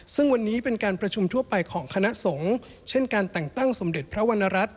ซึ่งวันนี้เป็นการประชุมทั่วไปของคณะสงฆ์เช่นการแต่งตั้งสมเด็จพระวรรณรัฐ